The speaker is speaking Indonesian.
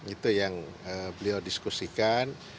itu yang beliau diskusikan